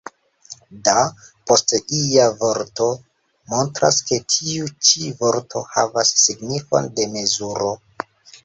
« Da » post ia vorto montras, ke tiu ĉi vorto havas signifon de mezuro.